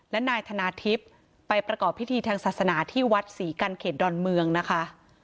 และนายธนาทิพย์ไปประกอบพิธีทางศาสนาที่วัดศรีกันเขตดอนเมืองนะคะ